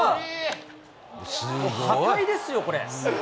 破壊ですよ、これ。